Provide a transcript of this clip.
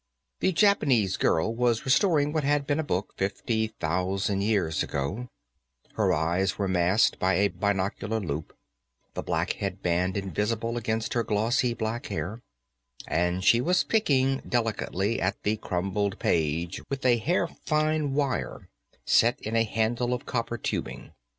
The Japanese girl was restoring what had been a book, fifty thousand years ago; her eyes were masked by a binocular loup, the black headband invisible against her glossy black hair, and she was picking delicately at the crumbled page with a hair fine wire set in a handle of copper tubing.